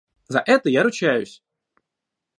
За это я ручаюсь!